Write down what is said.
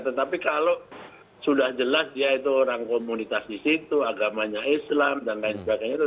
tetapi kalau sudah jelas dia itu orang komunitas di situ agamanya islam dan lain sebagainya